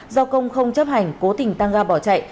do công không chấp hành cố tình tăng ga bỏ chạy